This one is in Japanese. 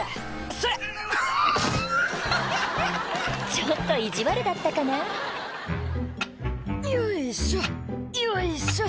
ちょっと意地悪だったかな「よいしょよいしょ」